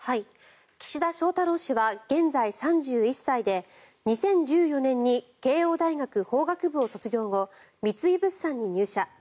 岸田翔太郎氏は現在３１歳で２０１４年に慶應大学法学部を卒業後三井物産に入社。